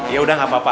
ya udah gapapa